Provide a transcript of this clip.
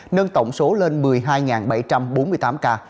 nâng tổng số lên một mươi hai bảy trăm bốn mươi tám ca